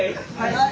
はい。